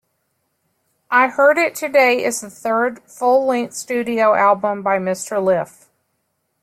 "I Heard It Today" is the third full-length studio album by Mr. Lif.